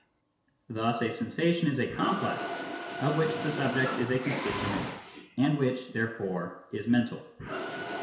Thus a sensation is a complex of which the subject is a con stituent and which therefore is mental.